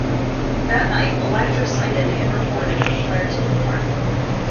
That night "Electra" sighted and reported a flare to the north.